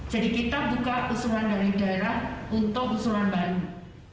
jadi kita buka usulan dari daerah untuk usulan baru